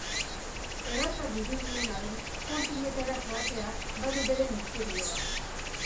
Erraza dirudien arren, kanpinetara joateak badu bere misterioa.